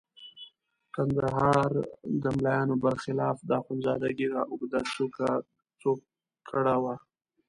د کندهار د ملایانو برخلاف د اخندزاده ږیره اوږده څوکړه وه.